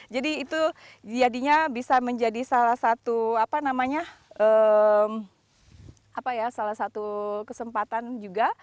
jadi itu jadinya bisa menjadi salah satu apa namanya salah satu kesempatan juga